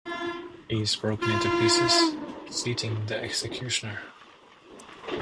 He is broken into pieces, "cheating the executioner".